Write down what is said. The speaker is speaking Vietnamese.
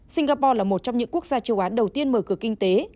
singapore là một trong những quốc gia châu á đầu tiên mở cửa kinh tế